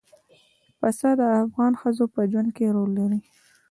پسه د افغان ښځو په ژوند کې رول لري.